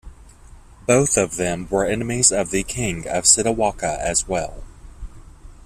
Both of them were enemies of the King of Sitawaka as well.